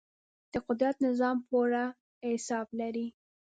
د قدرت نظام پوره حساب لري.